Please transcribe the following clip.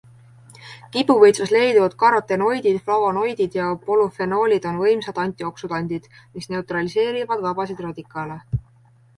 Kibuvitsas leiduvad karotenoidid, flavonoidid ja polüfenoolid on võimsad antioksüdandid, mis neutraliseerivad vabasid radikaale.